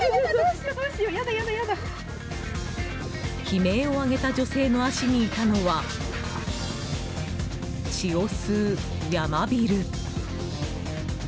悲鳴を上げた女性の足にいたのは血を吸うヤマビル。